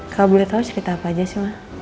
kalau boleh tau cerita apa aja sih ma